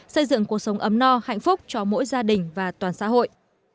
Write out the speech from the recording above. xây dựng cuộc sống ấm no hạnh phúc cho mỗi gia đình và toàn xã hội